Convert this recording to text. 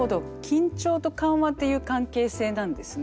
緊張と緩和っていう関係性なんですね。